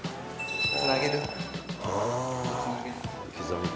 つなげる。